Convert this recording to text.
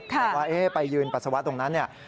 บอกว่าไปยืนปัสสาวะตรงนั้นเนี่ย